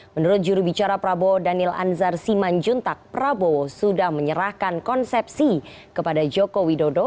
menurut jurubicara prabowo daniel anzar siman juntak prabowo sudah menyerahkan konsepsi kepada jokowi dodo